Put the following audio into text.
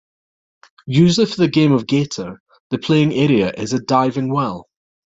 Usually for the game of Gator, the playing area is a diving well.